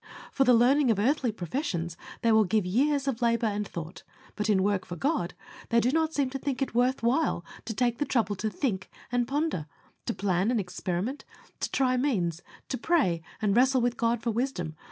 For the learning of earthly professions they will give years of labor and thought, but in work for God they do not seem to think it worth while to take the trouble to think and ponder, to plan and experiment, to try means, to pray and wrestle with God for wisdom.